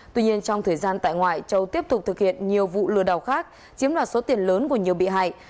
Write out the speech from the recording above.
tuy nhiên trong thời gian tại ngoại châu tiếp tục thực hiện nhiều vụ lừa đảo khác chiếm đoạt số tiền lớn của nhiều bị hại